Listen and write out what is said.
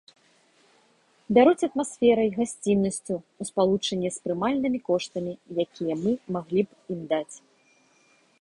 Бяруць атмасферай, гасціннасцю ў спалучэнні з прымальнымі коштамі, якія мы маглі б ім даць.